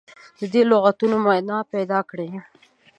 د دې لغتونو معنا پیداکړي.